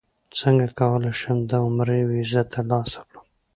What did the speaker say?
څنګه کولی شم د عمرې ویزه ترلاسه کړم